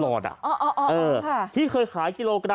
อ่ออออ่อที่เคยขายกิโลกรัม